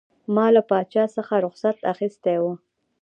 ما له پاچا څخه رخصت اخیستی وو.